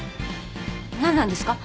何なんですか？